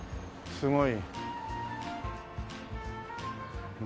すごい。